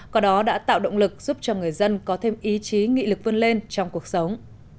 có đó đã tạo động lực giúp cho người dân có thêm ý chí nghị lực vươn lên trong cuộc sống